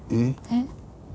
えっ？